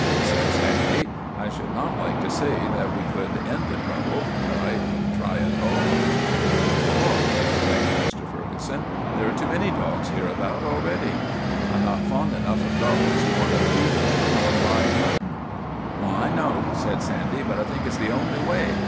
" Well." said Sandy. ' I should not like to say that we could end the trouble, but I would try a dog." " Dog !' exclaimed Mr. Ferguson. There are too many dos:s hereabouts already. I 'm not fond enough of dogs to want to feed one on live mutton. THE TWA DOGS O' GLENFERGUS 31 " I know," said Sandy ;" but I think it 's the only way.